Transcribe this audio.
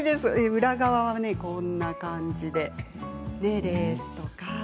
裏側はこんな感じでレースとか。